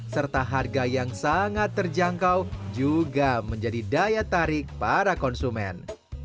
serta harga yang sangat terjangkau juga menjadi daya tarik para konsumen